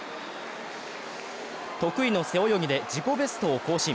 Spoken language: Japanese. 得意の背泳ぎで自己ベストを更新。